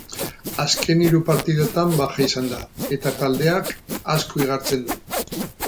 Azken hiru partidetan baja izan da, eta taldeak asko igartzen du.